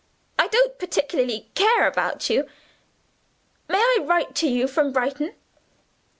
I don't particularly care about you. May I write to you from Brighton?"